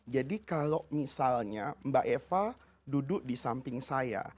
jadi kalau misalnya mbak eva duduk di samping saya